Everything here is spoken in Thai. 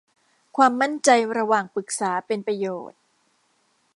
ความมั่นใจระหว่างปรึกษาเป็นประโยชน์